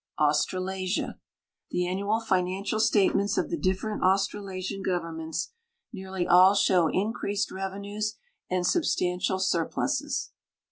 AUSTRALASIA The annual financial statements of the different Australasian govern ments nearly all show increa.sed revenues and substantial surpluses.